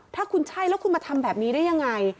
ถ้าคุณใช่แล้วคุณมาทำแบบนี้ได้ยังไง